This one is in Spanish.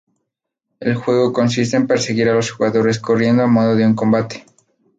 El juego consiste en perseguir a los jugadores corriendo a modo de un combate.